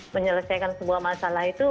menyelesaikan sebuah masalah itu